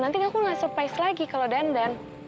nanti aku nggak surprise lagi kalau dandan